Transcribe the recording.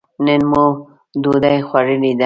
نن مو ډوډۍ خوړلې ده.